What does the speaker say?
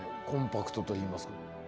コンパクトといいますか。